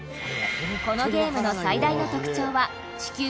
このゲームの最大の特徴は地球